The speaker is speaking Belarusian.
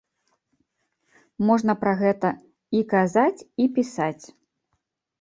Можна пра гэта і казаць, і пісаць.